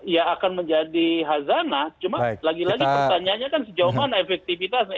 ya akan menjadi hazanah cuma lagi lagi pertanyaannya kan sejauh mana efektivitasnya